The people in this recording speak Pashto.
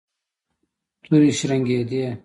تورې شرنګېدې.